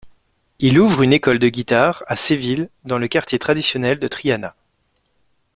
Il ouvre une école de guitare à Séville dans le quartier traditionnel de Triana.